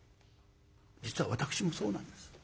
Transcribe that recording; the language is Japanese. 実は私もそうなんです。